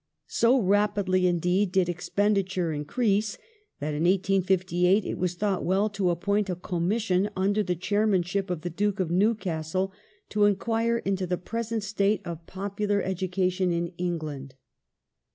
So rapidly, indeed, did ex penditure increase, that in 1858 it was thought well to appoint a Commission under the chairmanship of the Duke of Newcastle to " enquire into the present state of popular education in England